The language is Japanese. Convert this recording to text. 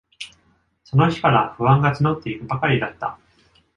その日から、不安がつのっていくばかりだった。